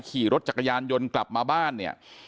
ขี่รถจักรยานยนต์กลับมาบ้านเนี่ย